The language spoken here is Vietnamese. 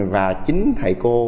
và chính thầy cô